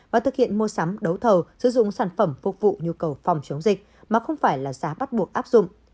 và thực hiện mua sắm đấu thầu sử dụng sản phẩm phục vụ nhu cầu phòng chống dịch mà không phải là giá bắt buộc áp dụng